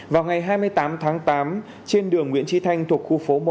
vào ngày hai mươi tám tháng tám trên đường nguyễn tri thanh thuộc khu phố một